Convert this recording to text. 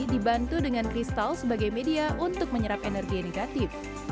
dibantu dengan kristal sebagai media untuk menyerap energi negatif